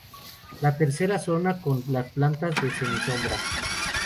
La tercera zona con las plantas de semi-sombra.